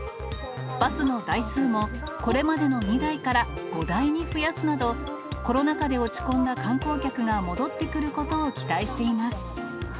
バスの台数も、これまでの２台から５台に増やすなど、コロナ禍で落ち込んだ観光客が戻ってくることを期待しています。